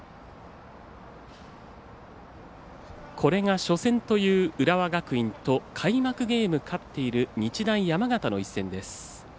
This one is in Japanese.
これが初戦という浦和学院と開幕ゲーム勝っている日大山形の一戦です。